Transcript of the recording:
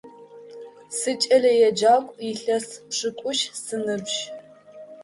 Сыкӏэлэеджакӏу, илъэс пшӏыкӏущ сыныбжь.